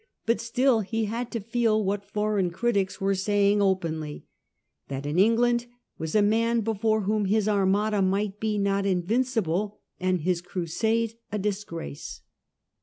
But still he had to feel what foreign critics were saying openly, that in England was a man before whom his Armada might be not in vincible and his crusade a disgrace.